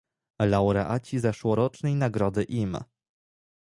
Laureaci zeszłorocznej Nagrody im